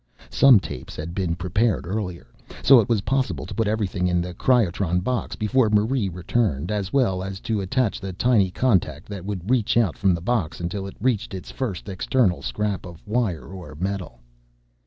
Some tapes had been prepared earlier, so it was possible to put everything in the cryotron box before Marie returned, as well as to attach the tiny contact that would reach out from the box until it reached its first external scrap of wire or metal.